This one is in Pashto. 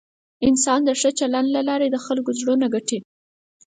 انسان د ښه چلند له لارې د خلکو زړونه ګټي.